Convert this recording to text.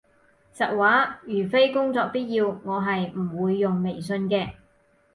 實話，如非工作必要，我係唔會用微信嘅